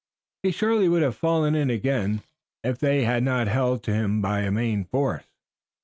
He surely would have fallen in again if they had not held to him by main force.